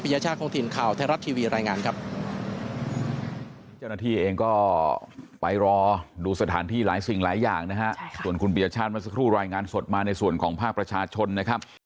ปียชาติครองถิ่นข่าวไทยรัฐทีวีรายงานครับ